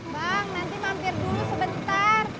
bang nanti mampir dulu sebentar